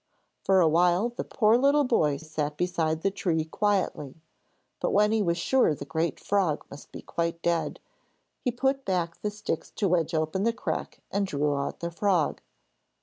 For awhile the poor little boy sat beside the tree quietly, but when he was sure the great frog must be quite dead, he put back the sticks to wedge open the crack and drew out the frog.